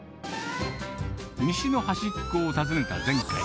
西の端っこを訪ねた前回。